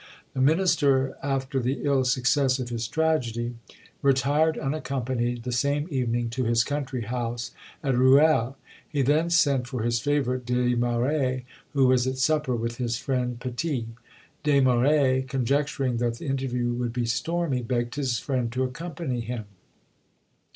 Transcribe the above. The minister, after the ill success of his tragedy, retired unaccompanied the same evening to his country house at Ruel. He then sent for his favourite Desmaret, who was at supper with his friend Petit. Desmaret, conjecturing that the interview would be stormy, begged his friend to accompany him.